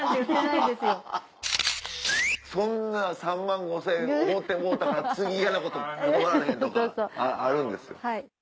そんな３万５０００円おごってもろうたから次嫌なこと断られへんとかあるんですよ。